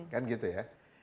kan gitu ya